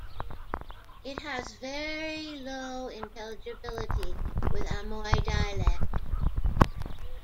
It has very low intelligibility with Amoy dialect.